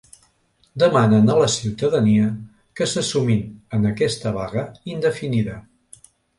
Demanen a la ciutadania que se sumin en aquesta vaga indefinida.